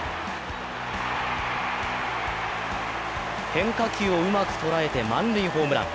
変化球をうまく捉えて満塁ホームラン。